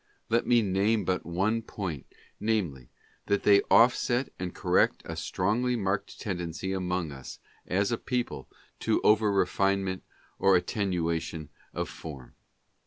Let me name but one point, namely, that they offset and correct a strongly marked tendency among us as a people to over refinement or attenuation of form.